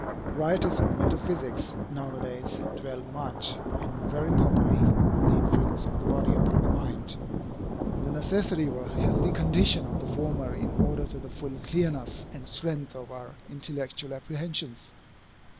Writers on metaphysics now a days dwell much, and very properly, on the influence of the body upon the mind, and the necessity of a healthy condition of the former in order to the full clearness and strength of our intellectual apprehensions.